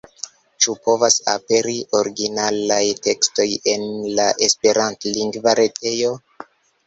Ĉu povos aperi originalaj tekstoj en la esperantlingva retejo?